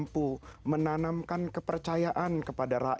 dan menanamkan kepercayaan kepada masyarakat